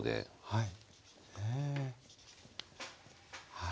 はい。